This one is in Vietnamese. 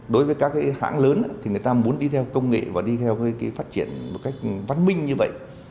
đối với các hãng lớn thì người ta muốn đi theo công nghệ và đi theo phát triển một cách văn minh như vậy